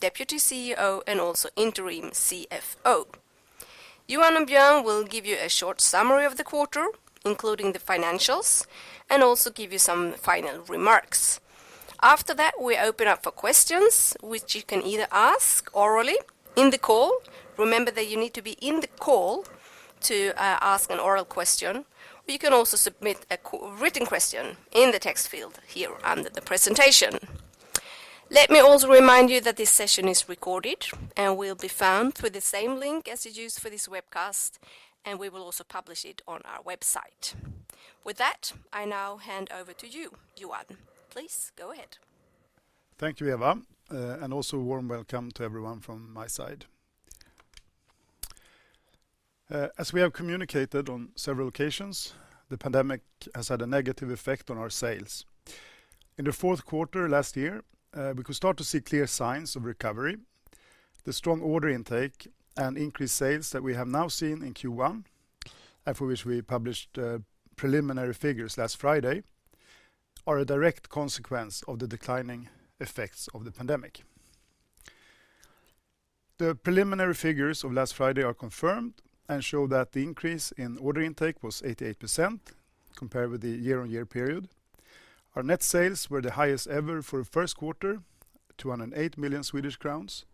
Deputy CEO and also Interim CFO. Johan and Björn will give you a short summary of the quarter, including the financials, and also give you some final remarks. After that, we open up for questions which you can either ask orally in the call. Remember that you need to be in the call to ask an oral question, or you can also submit a written question in the text field here under the presentation. Let me also remind you that this session is recorded and will be found through the same link as you used for this webcast, and we will also publish it on our website. With that, I now hand over to you, Johan. Please go ahead. Thank you, Eva. Also a warm welcome to everyone from my side. As we have communicated on several occasions, the pandemic has had a negative effect on our sales. In the fourth quarter last year, we could start to see clear signs of recovery. The strong order intake and increased sales that we have now seen in Q1, and for which we published preliminary figures last Friday, are a direct consequence of the declining effects of the pandemic. The preliminary figures of last Friday are confirmed and show that the increase in order intake was 88% compared with the year-on-year period. Our net sales were the highest ever for a first quarter, 208 million Swedish crowns.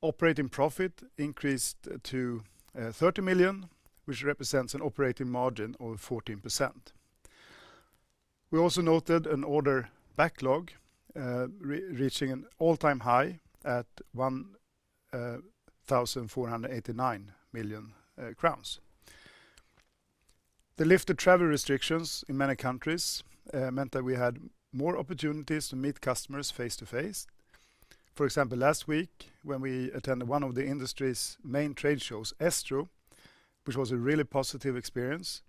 Operating profit increased to 30 million, which represents an operating margin of 14%. We also noted an order backlog reaching an all-time high at 1,489 million crowns. The lifted travel restrictions in many countries meant that we had more opportunities to meet customers face-to-face. For example, last week, when we attended one of the industry's main trade shows, ESTRO, which was a really positive experience,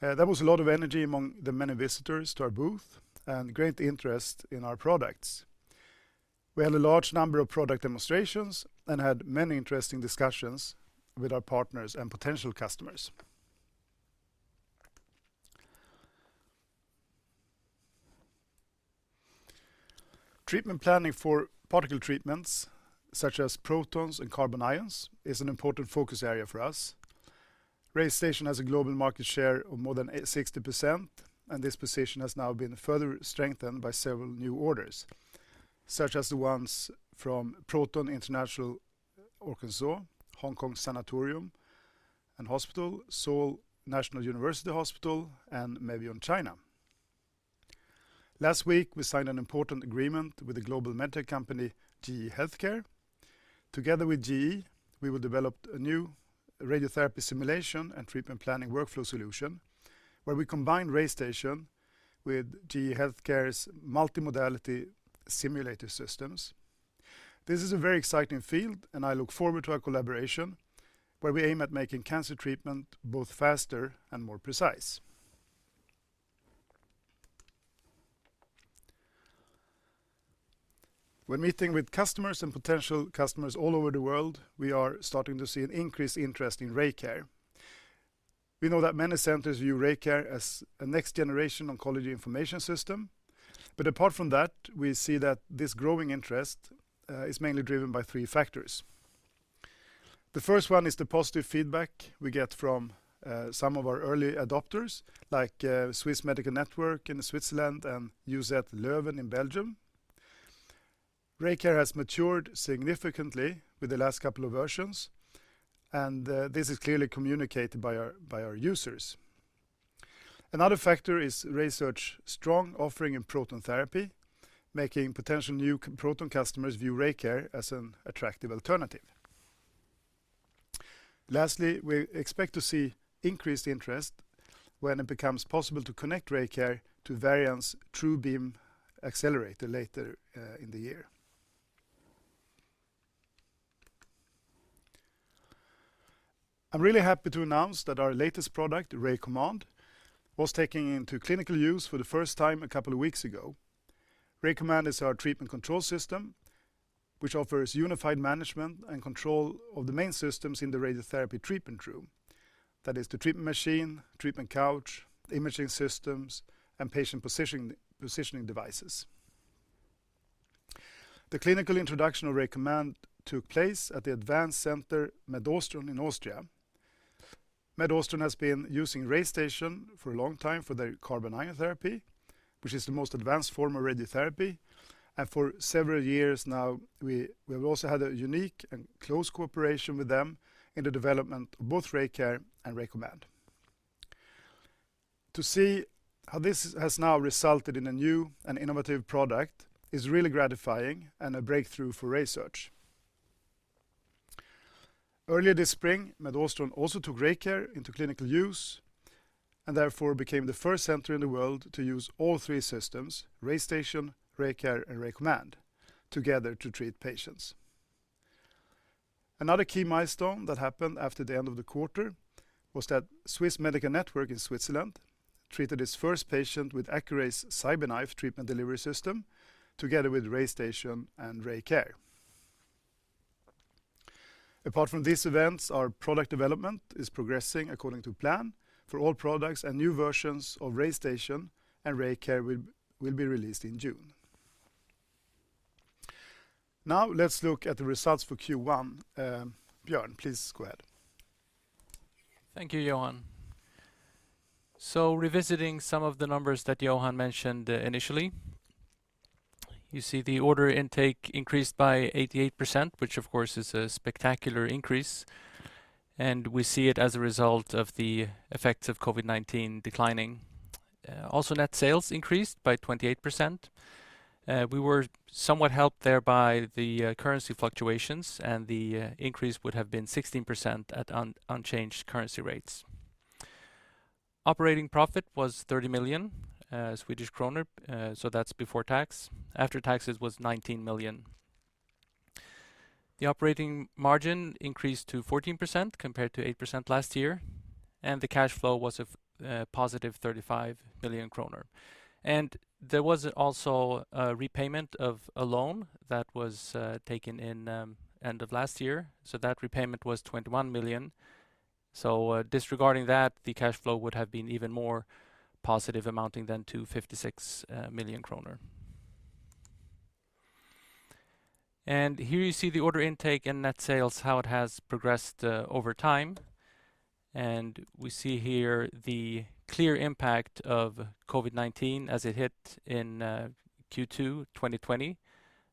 there was a lot of energy among the many visitors to our booth and great interest in our products. We had a large number of product demonstrations and had many interesting discussions with our partners and potential customers. Treatment planning for particle treatments such as protons and carbon ions is an important focus area for us. RayStation has a global market share of more than 60%, and this position has now been further strengthened by several new orders, such as the ones from Proton International Arkansas, Hong Kong Sanatorium & Hospital, Seoul National University Hospital, and Mevion China. Last week, we signed an important agreement with the global med tech company GE HealthCare. Together with GE, we will develop a new radiotherapy simulation and treatment planning workflow solution where we combine RayStation with GE HealthCare's multimodality simulator systems. This is a very exciting field, and I look forward to our collaboration, where we aim at making cancer treatment both faster and more precise. When meeting with customers and potential customers all over the world, we are starting to see an increased interest in RayCare. We know that many centers view RayCare as a next-generation oncology information system. Apart from that, we see that this growing interest is mainly driven by three factors. The first one is the positive feedback we get from some of our early adopters, like Swiss Medical Network in Switzerland and UZ Leuven in Belgium. RayCare has matured significantly with the last couple of versions, and this is clearly communicated by our users. Another factor is RaySearch's strong offering in proton therapy, making potential new proton customers view RayCare as an attractive alternative. Lastly, we expect to see increased interest when it becomes possible to connect RayCare to Varian's TrueBeam accelerator later in the year. I'm really happy to announce that our latest product, RayCommand, was taken into clinical use for the first time a couple of weeks ago. RayCommand is our treatment control system, which offers unified management and control of the main systems in the radiotherapy treatment room. That is the treatment machine, treatment couch, imaging systems, and patient positioning devices. The clinical introduction of RayCommand took place at the advanced center MedAustron in Austria. MedAustron has been using RayStation for a long time for their carbon ion therapy, which is the most advanced form of radiotherapy. For several years now, we have also had a unique and close cooperation with them in the development of both RayCare and RayCommand. To see how this has now resulted in a new and innovative product is really gratifying and a breakthrough for RaySearch. Earlier this spring, MedAustron also took RayCare into clinical use and therefore became the first center in the world to use all three systems, RayStation, RayCare, and RayCommand, together to treat patients. Another key milestone that happened after the end of the quarter was that Swiss Medical Network in Switzerland treated its first patient with Accuray's CyberKnife treatment delivery system together with RayStation and RayCare. Apart from these events, our product development is progressing according to plan for all products, and new versions of RayStation and RayCare will be released in June. Now, let's look at the results for Q1. Björn, please go ahead. Thank you, Johan. Revisiting some of the numbers that Johan mentioned initially. You see the order intake increased by 88%, which of course is a spectacular increase, and we see it as a result of the effects of COVID-19 declining. Also, net sales increased by 28%. We were somewhat helped there by the currency fluctuations, and the increase would have been 16% at unchanged currency rates. Operating profit was 30 million Swedish kronor. That's before tax. After taxes was 19 million. The operating margin increased to 14% compared to 8% last year, and the cash flow was +35 million kronor. There was also a repayment of a loan that was taken in end of last year. That repayment was 21 million. Disregarding that, the cash flow would have been even more positive amounting to 56 million kronor. Here you see the order intake and net sales, how it has progressed over time. We see here the clear impact of COVID-19 as it hit in Q2 2020.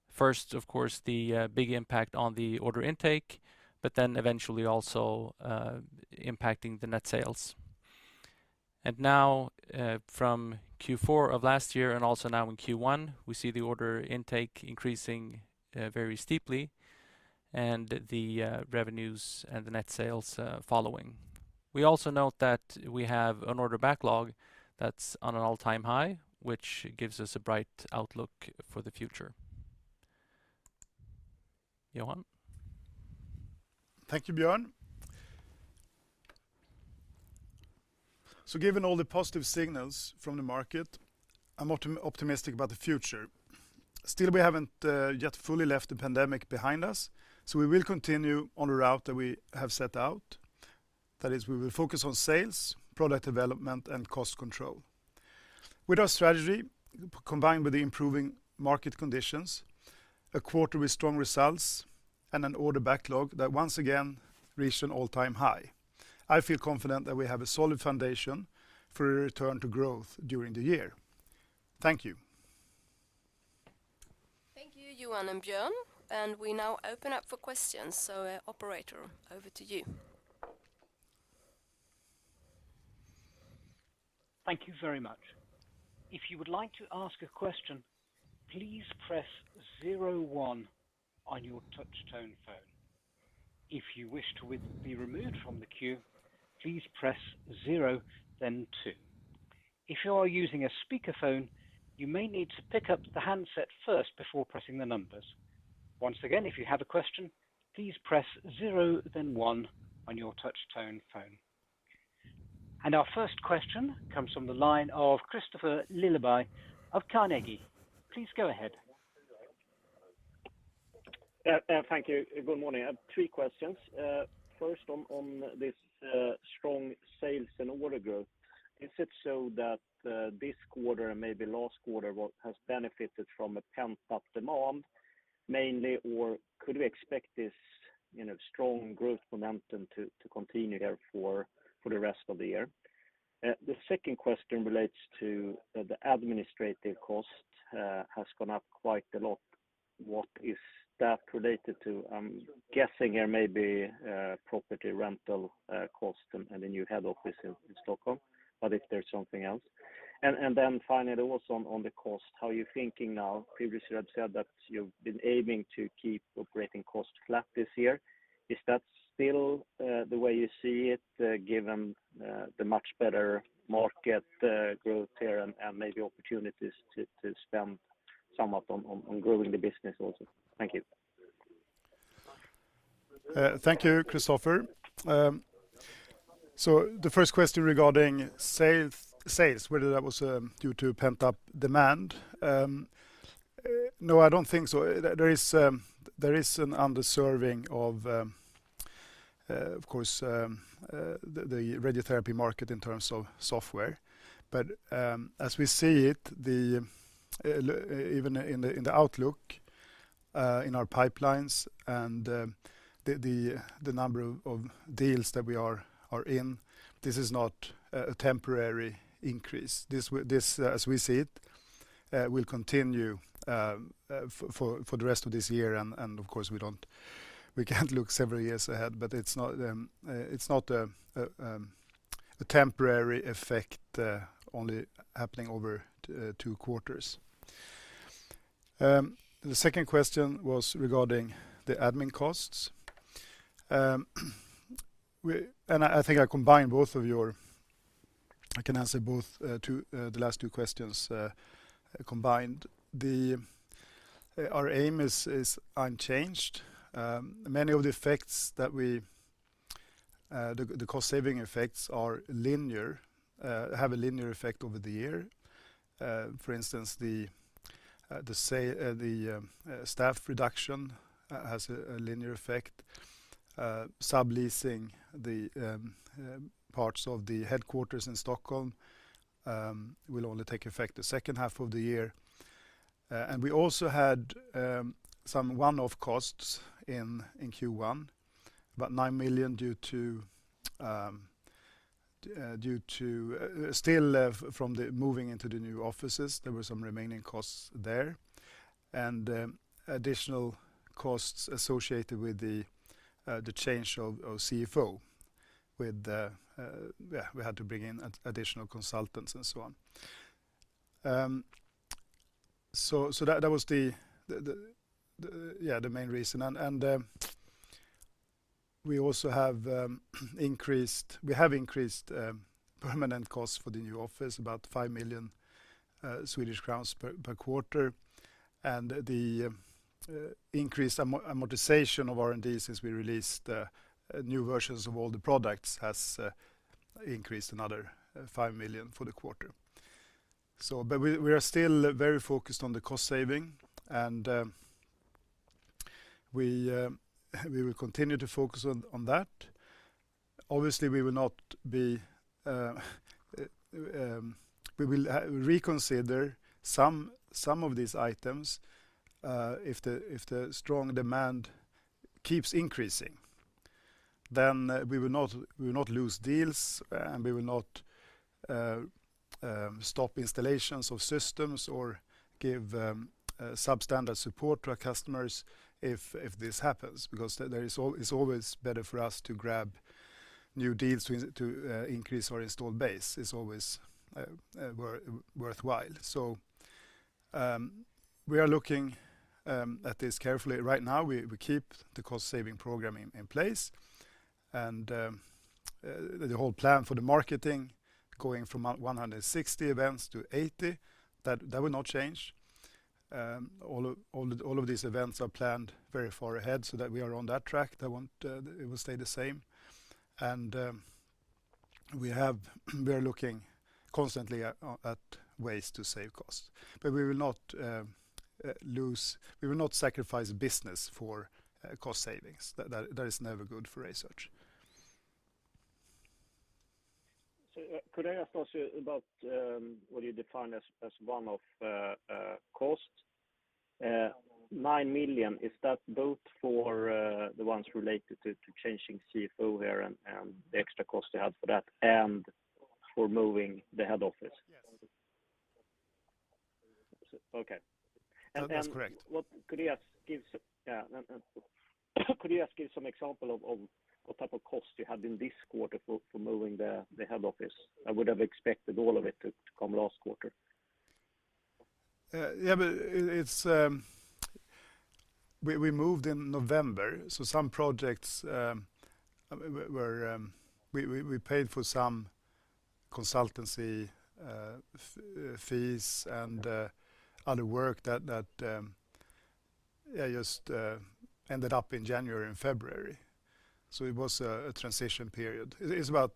First, of course, the big impact on the order intake, but then eventually also impacting the net sales. Now, from Q4 of last year and also now in Q1, we see the order intake increasing very steeply and the revenues and the net sales following. We also note that we have an order backlog that's on an all-time high, which gives us a bright outlook for the future. Johan. Thank you, Björn. Given all the positive signals from the market, I'm optimistic about the future. Still, we haven't yet fully left the pandemic behind us, so we will continue on the route that we have set out. That is, we will focus on sales, product development, and cost control. With our strategy, combined with the improving market conditions, a quarter with strong results and an order backlog that once again reached an all-time high, I feel confident that we have a solid foundation for a return to growth during the year. Thank you. Thank you, Johan and Björn. We now open up for questions. Operator, over to you. Thank you very much. If you would like to ask a question, please press zero one on your touch tone phone. If you wish to be removed from the queue, please press zero, then two. If you are using a speakerphone, you may need to pick up the handset first before pressing the numbers. Once again, if you have a question, please press zero, then one on your touch tone phone. Our first question comes from the line of Kristoffer Liljeberg of Carnegie. Please go ahead. Thank you. Good morning. I have three questions. First on this strong sales and order growth. Is it so that this quarter and maybe last quarter what has benefited from a pent-up demand mainly, or could we expect this, you know, strong growth momentum to continue here for the rest of the year? The second question relates to the administrative cost has gone up quite a lot. What is that related to? I'm guessing it may be property rental cost and a new head office in Stockholm, but if there's something else. Then finally, also on the cost, how are you thinking now? Previously, you have said that you've been aiming to keep operating costs flat this year. Is that still the way you see it, given the much better market growth here and maybe opportunities to spend some of them on growing the business also? Thank you. Thank you, Kristoffer. So the first question regarding sales, whether that was due to pent-up demand. No, I don't think so. There is an underserving of course, the radiotherapy market in terms of software. But as we see it, even in the outlook, in our pipelines and the number of deals that we are in, this is not a temporary increase. This, as we see it, will continue for the rest of this year, and of course, we can't look several years ahead, but it's not a temporary effect only happening over two quarters. The second question was regarding the admin costs. I think I combined both. I can answer both the last two questions combined. Our aim is unchanged. Many of the effects, the cost saving effects, have a linear effect over the year. For instance, the staff reduction has a linear effect. Subleasing the parts of the headquarters in Stockholm will only take effect the second half of the year. We also had some one-off costs in Q1, about 9 million due to still left from the moving into the new offices, there were some remaining costs there. Additional costs associated with the change of CFO. We had to bring in additional consultants and so on. That was the main reason. We have increased permanent costs for the new office, about 5 million Swedish crowns per quarter. The increased amortization of R&D since we released new versions of all the products has increased another 5 million for the quarter. But we are still very focused on the cost saving, and we will continue to focus on that. Obviously, we will reconsider some of these items if the strong demand keeps increasing, then we will not lose deals and we will not stop installations of systems or give substandard support to our customers if this happens. Because it's always better for us to grab new deals to increase our install base. It's always worthwhile. We are looking at this carefully. Right now, we keep the cost-saving program in place. The whole plan for the marketing going from 160 events to 80, that will not change. All of these events are planned very far ahead so that we are on that track. That won't. It will stay the same. We are looking constantly at ways to save costs. We will not sacrifice business for cost savings. That is never good for RaySearch. Could I ask also about what you define as one of a cost? 9 million, is that both for the ones related to changing CFO here and the extra cost you have for that and for moving the head office? Yes. Okay. That's correct. Could you give, yeah, could you just give some example of what type of cost you had in this quarter for moving the head office? I would have expected all of it to come last quarter. Yeah, but we moved in November, so we paid for some consultancy fees and other work that just ended up in January and February. It was a transition period. It is about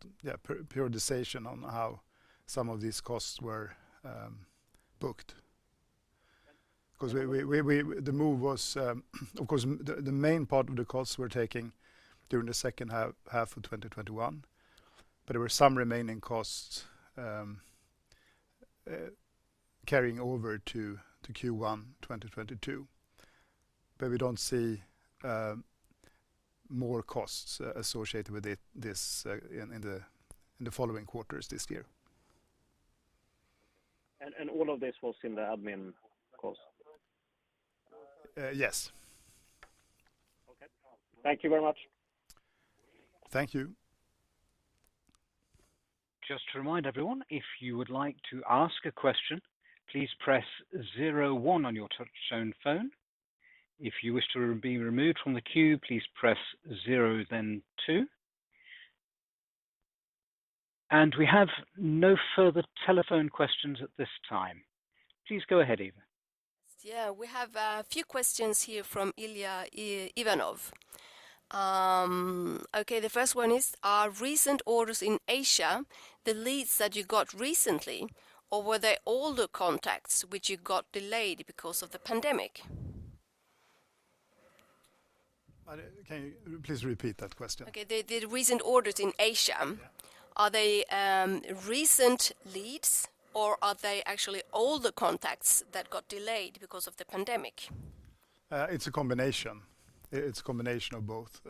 periodization on how some of these costs were booked. Because the move was of course the main part of the costs were taken during the second half of 2021, but there were some remaining costs carrying over to Q1 2022. We don't see more costs associated with it in the following quarters this year. All of this was in the admin costs? Yes. Okay. Thank you very much. Thank you. Just to remind everyone, if you would like to ask a question, please press zero one on your touchtone phone. If you wish to be removed from the queue, please press zero then two. We have no further telephone questions at this time. Please go ahead, Annika Henriksson. Yeah. We have a few questions here from Ilya Ivanov. Okay, the first one is, are recent orders in Asia the leads that you got recently, or were they older contacts which you got delayed because of the pandemic? Can you please repeat that question? Okay. The recent orders in Asia. Yeah Are they recent leads, or are they actually older contacts that got delayed because of the pandemic? It's a combination of both.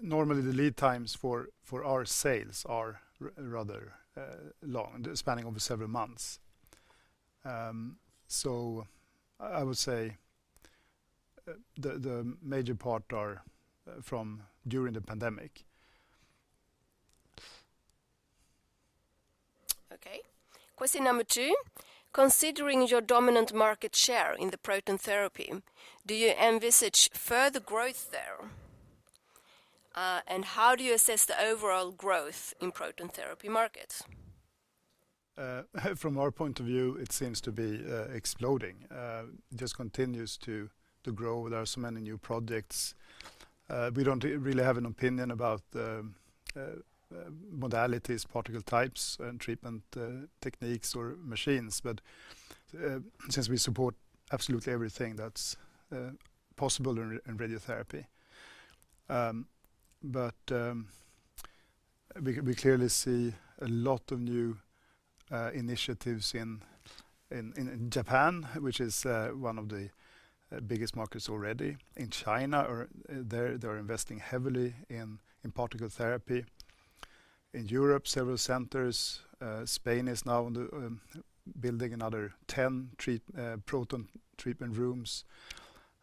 Normally, the lead times for our sales are rather long, spanning over several months. I would say the major part are from during the pandemic. Okay. Question number two: Considering your dominant market share in the proton therapy, do you envisage further growth there? How do you assess the overall growth in proton therapy market? From our point of view, it seems to be exploding. It just continues to grow. There are so many new projects. We don't really have an opinion about the modalities, particle types, and treatment techniques or machines, but since we support absolutely everything that's possible in radiotherapy. We clearly see a lot of new initiatives in Japan, which is one of the biggest markets already. In China, they're investing heavily in particle therapy. In Europe, several centers, Spain is now building another 10 proton treatment rooms.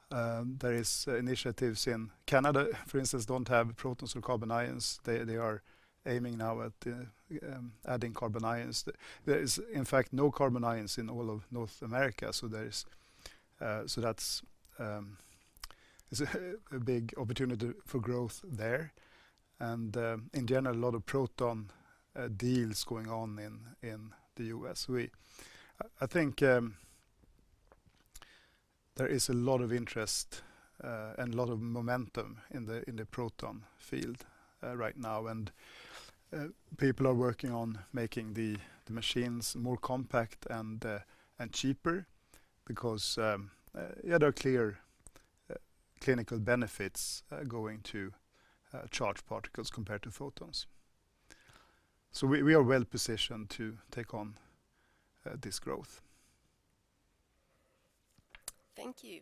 There is initiatives in Canada, for instance, don't have protons or carbon ions. They are aiming now at adding carbon ions. There is in fact no carbon ions in all of North America, so that's a big opportunity for growth there. In general, a lot of proton deals going on in the U.S. I think there is a lot of interest and a lot of momentum in the proton field right now, and people are working on making the machines more compact and cheaper because yeah, there are clear clinical benefits going to charged particles compared to photons. We are well-positioned to take on this growth. Thank you.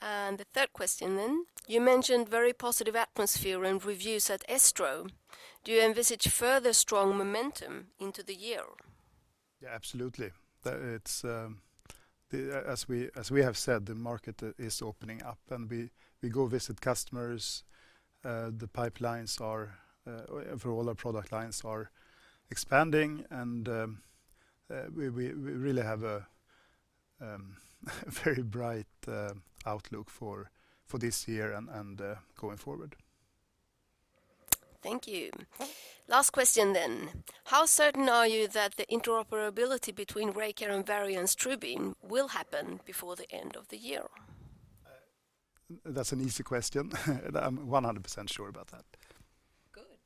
The third question then, you mentioned very positive atmosphere and reviews at ESTRO. Do you envisage further strong momentum into the year? Yeah, absolutely. It's as we have said, the market is opening up and we go visit customers. The pipelines for all our product lines are expanding and we really have a very bright outlook for this year and going forward. Thank you. Last question. How certain are you that the interoperability between RayCare and Varian's TrueBeam will happen before the end of the year? That's an easy question. I'm 100% sure about that. Good.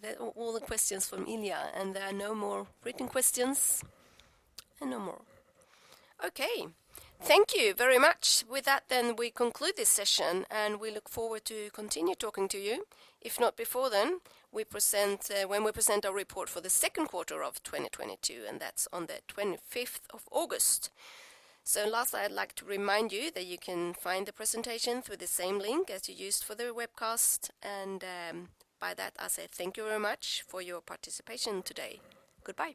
That's all the questions from Ilya, and there are no more written questions and no more. Okay. Thank you very much. With that then we conclude this session, and we look forward to continue talking to you. If not before then, we present, when we present our report for the second quarter of 2022, and that's on the 25th of August. Last, I'd like to remind you that you can find the presentation through the same link as you used for the webcast. By that, I say thank you very much for your participation today. Goodbye.